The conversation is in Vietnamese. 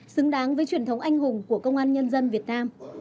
xứng đáng với truyền thống anh hùng của công an nhân dân việt nam